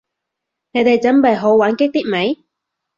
你哋準備好玩激啲未？